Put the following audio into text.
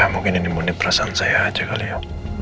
mungkin ini murni perasaan saya aja kali ya